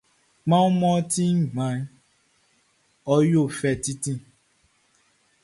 Kpanwun mʼɔ ti nvanʼn, ɔ yo fɛ titi.